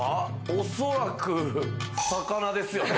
おそらく魚ですよね。